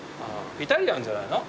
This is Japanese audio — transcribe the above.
イタリアンじゃないの？